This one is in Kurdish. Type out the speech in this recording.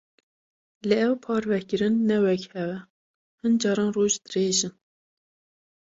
Lê ev parvekirin ne wek hev e; hin caran roj dirêj in.